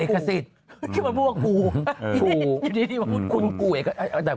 กูกูเอกสิต